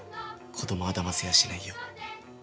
子どもは、だませやしないよ。